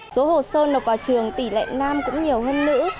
số hồ sơn đọc vào trường tỷ lệ nam cũng nhiều hơn nữ